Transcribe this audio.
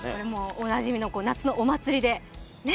おなじみの夏のお祭りで。